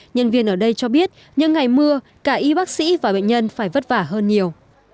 nhân viên ở đây cho biết những ngày mưa cả y bác sĩ và bệnh nhân phải vất vả hơn nhiều